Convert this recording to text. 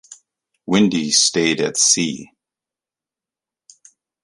Wendy stayed at sea.